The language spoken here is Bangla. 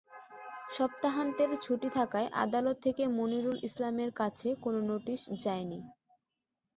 সপ্তাহান্তের ছুটি থাকায় আদালত থেকে মনিরুল ইসলামের কাছে কোনো নোটিশ যায়নি।